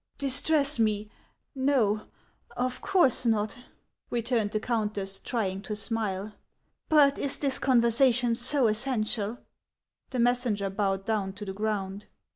" Distress me ! Xo, of course not," returned the coun 6 82 HANS OF ICELAND. tess, trying to smile. " But is this conversation so essential ?" The messenger bowed down to the ground.